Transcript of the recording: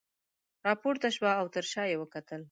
راپورته شوه او تر شاه یې وکتل.